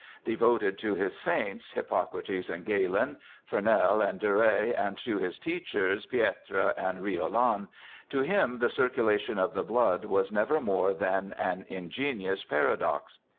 Devoted to his saints, Hippocrates and Galen, Fernel and Duret, and to his teachers, Pietre and Riolan, to him the circulation of the blood was never more than an ingenious paradox.